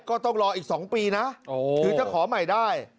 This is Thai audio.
ก็ต้องรออีก๒ปีนะถึงจะขอใหม่ได้